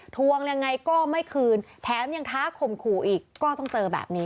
ทวงยังไงก็ไม่คืนแถมยังท้าข่มขู่อีกก็ต้องเจอแบบนี้